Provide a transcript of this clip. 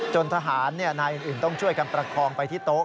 ทหารนายอื่นต้องช่วยกันประคองไปที่โต๊ะ